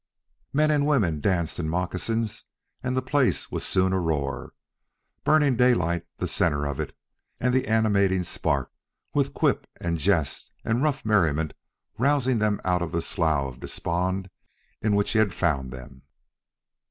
Men and women danced in moccasins, and the place was soon a roar, Burning Daylight the centre of it and the animating spark, with quip and jest and rough merriment rousing them out of the slough of despond in which he had found them.